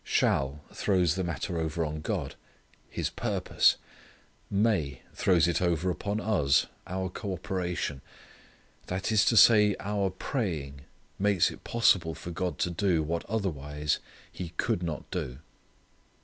"Shall" throws the matter over on God His purpose. "May" throws it over upon us our cooperation. That is to say our praying makes it possible for God to do what otherwise He could not do.